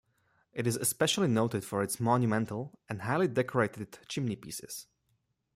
It is especially noted for its monumental and highly decorated chimneypieces.